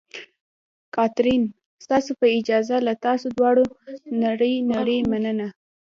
کاترین: ستاسو په اجازه، له تاسو دواړو نړۍ نړۍ مننه.